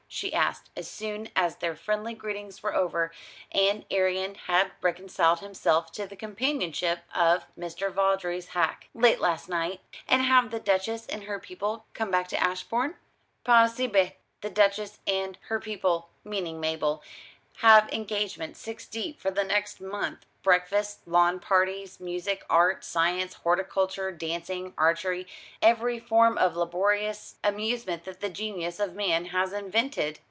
she asked, as soon as their friendly greetings were over, and Arion had reconciled himself to the companionship of Mr. Vawdrey's hack. "Late last night." "And have the Duchess and her people come back to Ashbourne?" "Pas si bête. The Duchess and her people meaning Mabel have engagements six deep for the next month breakfasts, lawn parties, music, art, science, horticulture, dancing, archery, every form of labourious amusement that the genius of man has invented.